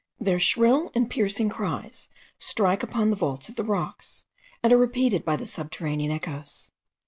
Their shrill and piercing cries strike upon the vaults of the rocks, and are repeated by the subterranean echoes.